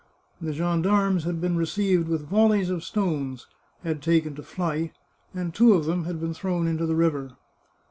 The gendarmes had been received with volleys of stones, had taken to flight, and two of them had been thrown into the river.